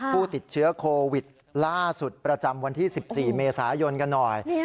ผู้ติดเชื้อโควิดล่าสุดประจำวันที่๑๔เมษายนกันหน่อย